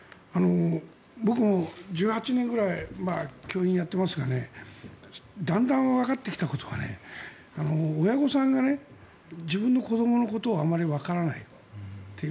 僕も１８年ぐらい教員をやってますがだんだんわかってきたことは親御さんが自分の子どものことをあまりわからないという。